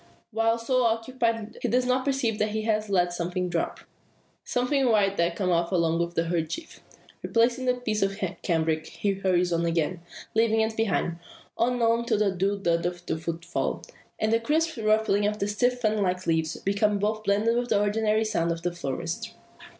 While so occupied, he does not perceive that he has let something drop something white that came out along with the kerchief. Replacing the piece of cambric he hurries on again, leaving it behind; on, on, till the dull thud of his footfall, and the crisp rustling of the stiff fan like leaves, become both blended with the ordinary noises of the forest.